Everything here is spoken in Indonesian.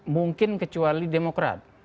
mungkin kecuali demokrat